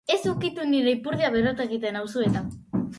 Ez ukitu nire ipurdia berotu egiten nauzu eta.